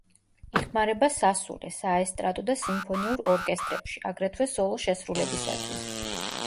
იხმარება სასულე, საესტრადო და სიმფონიურ ორკესტრებში, აგრეთვე სოლო შესრულებისათვის.